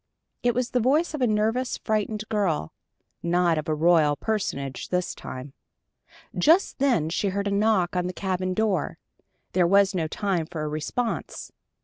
It was the voice of a nervous, frightened girl not of a royal personage this time. Just then she heard a knock on the cabin door. There was no time for a response.